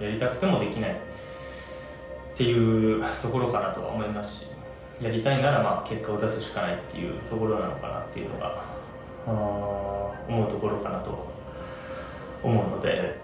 やりたくてもできないっていうところかなとは思いますしやりたいなら結果を出すしかないっていうところなのかなっていうのが思うところかなとは思うので。